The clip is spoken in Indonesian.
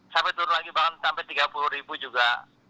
sampai turun lagi bahkan sampai tiga puluh ribu juga